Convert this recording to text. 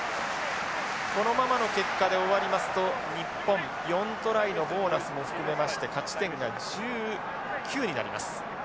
このままの結果で終わりますと日本４トライのボーナスも含めまして勝ち点が１９になります。